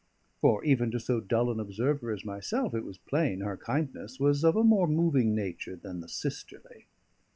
For even to so dull an observer as myself, it was plain her kindness was of a more moving nature than the sisterly.